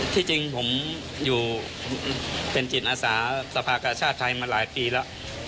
ที่จริงผมอยู่เป็นจิตอาสาสภากาชาติไทยมาหลายปีแล้ว